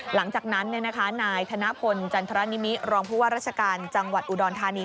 หลังจากนั้นนายธนพลจันทรนิมิรองผู้ว่าราชการจังหวัดอุดรธานี